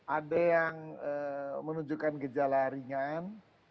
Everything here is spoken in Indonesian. ada yang menunjukkan gejala ringan